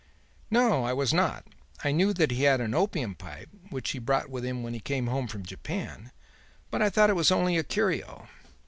"No, I was not. I knew that he had an opium pipe which he brought with him when he came home from Japan; but I thought it was only a curio.